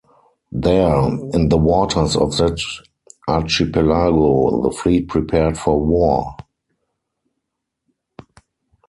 There, in the waters of that archipelago, the fleet prepared for war.